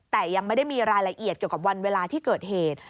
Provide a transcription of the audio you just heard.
แต่ยังไม่ได้มีรายละเอียดเกี่ยวกับวันเวลาที่เกิดเหตุ